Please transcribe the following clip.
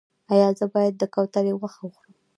ایا زه باید د کوترې غوښه وخورم؟